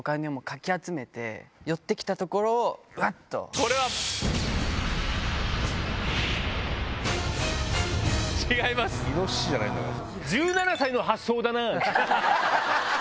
これは１７歳の発想だ。